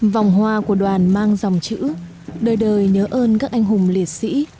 vòng hoa của đoàn mang dòng chữ đời đời nhớ ơn các anh hùng liệt sĩ